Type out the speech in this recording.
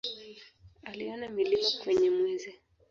Aliona milima kwenye Mwezi.